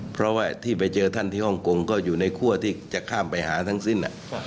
เพราะว่าที่ไปเจอท่านที่ฮ่องกงก็อยู่ในคั่วที่จะข้ามไปหาทั้งสิ้น